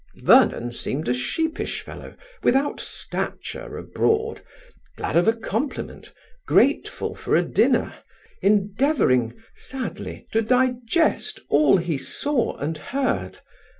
Vernon seemed a sheepish fellow, without stature abroad, glad of a compliment, grateful for a dinner, endeavouring sadly to digest all he saw and heard.